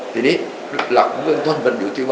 ทีนี้หลักเมื่อท่านบรรยุทธิ์อยู่ที่นี่